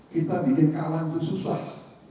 kita bikin kalah itu susah